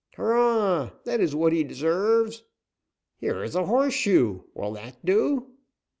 "Hurrah! That is what he deserves!" "Here is a horseshoe; will that do?"